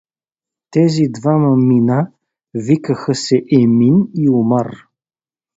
Тези двама мина викаха се Емин и Омар.